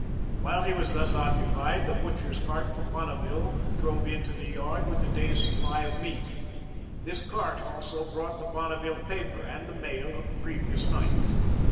While he was thus occupied, the butcher's cart from Bonneville drove into the yard with the day's supply of meat. This cart also brought the Bonneville paper and the mail of the previous night.